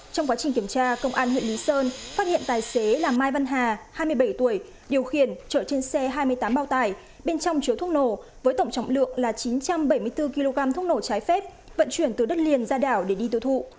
trong quá trình kiểm tra công an huyện lý sơn phát hiện tài xế là mai văn hà hai mươi bảy tuổi điều khiển chở trên xe hai mươi tám bao tải bên trong chứa thuốc nổ với tổng trọng lượng là chín trăm bảy mươi bốn kg thuốc nổ trái phép vận chuyển từ đất liền ra đảo để đi tiêu thụ